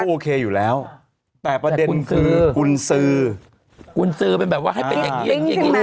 โอเคอยู่แล้วแต่ประเด็นคือคุณซือคุณซือเป็นแบบว่าอย่างเยี่ยมแต่ทั้ง